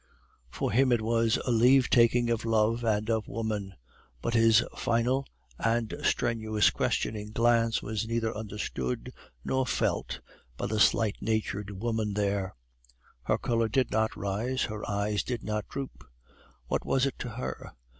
For him it was a leave taking of love and of woman; but his final and strenuous questioning glance was neither understood nor felt by the slight natured woman there; her color did not rise, her eyes did not droop. What was it to her?